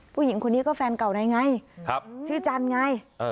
ผู้หญิงคนนี้ก็แฟนเก่านายไงชื่อจันทร์ไง